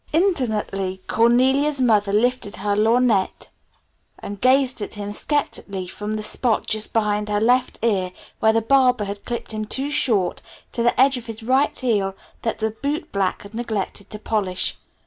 Indolently Cornelia's mother lifted her lorgnette and gazed at him skeptically from the spot just behind his left ear where the barber had clipped him too short, to the edge of his right heel that the bootblack had neglected to polish.